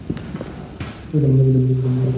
পূজা দিল্লীতে বেড়েউঠেন।